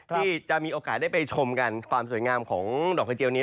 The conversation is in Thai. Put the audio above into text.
ที่จะมีโอกาสได้ไปชมกันความสวยงามของดอกกระเจียวนี้